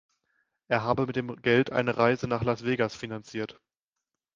Er habe mit dem Geld eine Reise nach Las Vegas finanziert.